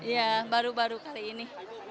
ya baru baru kali ini